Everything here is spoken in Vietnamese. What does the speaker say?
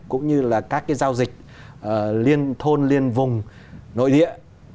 cũng như là các cái giao dịch liên thôn liên vùng nội địa